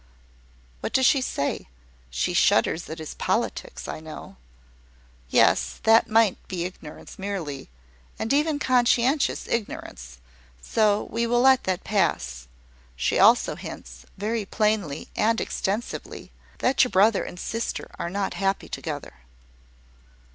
"What does she say? She shudders at his politics, I know." "Yes; that might be ignorance merely, and even conscientious ignorance: so we will let that pass. She also hints, very plainly and extensively, that your brother and sister are not happy together."